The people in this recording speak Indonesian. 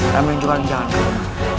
kami menjual jalan kebun